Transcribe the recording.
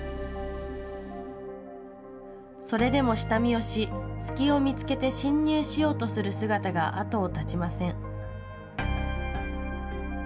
それでも下見をし、隙を見つけて侵入しようとする姿が後を絶ちません。